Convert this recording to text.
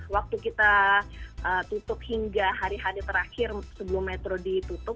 waktu kita tutup hingga hari hari terakhir sebelum metro ditutup